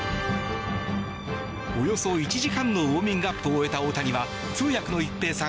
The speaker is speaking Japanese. およそ１時間のウォーミングアップを終えた大谷は通訳の一平さん